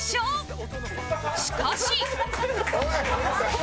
しかし